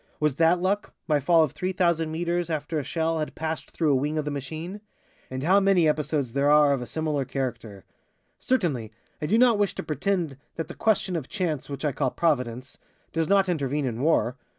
Was that luck, my fall of 3,000 meters after a shell had passed through a wing of the machine? And how many episodes there are of a similar character! Certainly, I do not wish to pretend that the question of chance, which I call Providence, does not intervene in war.